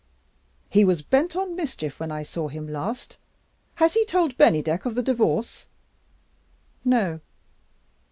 "He was bent on mischief when I saw him last. Has he told Bennydeck of the Divorce?" "No."